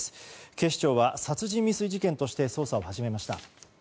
警視庁は殺人未遂事件として捜査を始めました。